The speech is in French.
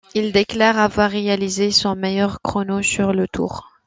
Il déclare avoir réalisé son meilleur chrono sur le tour.